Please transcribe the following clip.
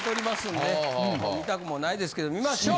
見たくもないですけど見ましょう。